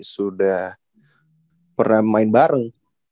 sudah pernah main bareng